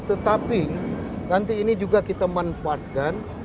tetapi nanti ini juga kita manfaatkan